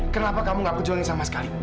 kenapa kamu tidak berjuang sama sekali